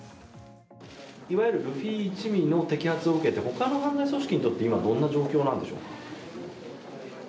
いわゆるルフィ一味の摘発を受けてほかの犯罪組織にとって今、どんな状況なんでしょうか。